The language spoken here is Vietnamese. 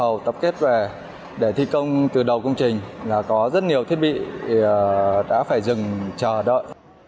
gói thầu tập kết về để thi công từ đầu công trình là có rất nhiều thiết bị đã phải dừng chờ đợi